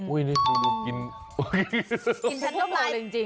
อุ๊ยนี่ดูกินน้ำลายจริง